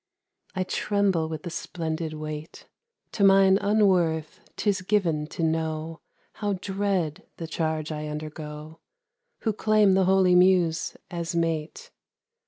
I tremble with the splendid weight. To mine unworth 't is given to know How dread the charge I undergo Who claim the holy Muse as mate.